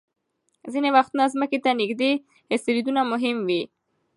ځینې وختونه ځمکې ته نږدې اسټروېډونه مهم وي.